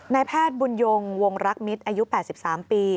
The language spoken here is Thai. แพทย์บุญยงวงรักมิตรอายุ๘๓ปี